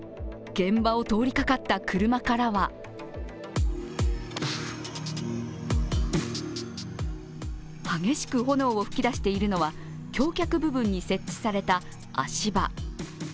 現場を通りかかった車からは激しく炎を噴き出しているのは橋脚部分に設置された足場。